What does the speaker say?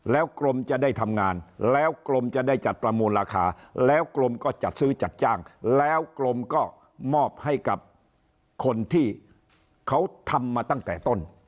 แล้วกรมจะได้ทำงานแล้วกรมจะได้จัดประมูลราคาแล้วกรมก็จัดซื้อจัดจ้างแล้วกรมก็มอบให้กับคนที่เขาทำมาตั้งแต่ต้น